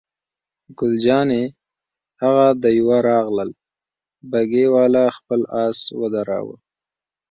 ګل جانې: هغه د یوه راغلل، بګۍ والا خپل آس ودراوه.